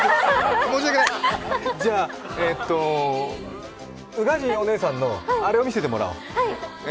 申し訳ない、じゃあ、宇賀神お姉さんのあれを見せてもらおう。